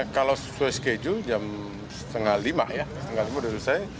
kalau schedule jam setengah lima ya setengah lima udah selesai